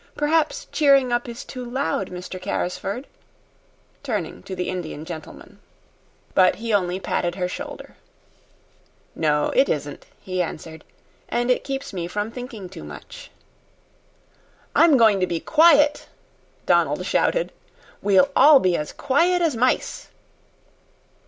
Perhaps cheering up is too loud, Mr. Carrisford?" turning to the Indian gentleman. But he only patted her shoulder. "No, it isn't," he answered. "And it keeps me from thinking too much." "I'm going to be quiet," Donald shouted. "We'll all be as quiet as mice."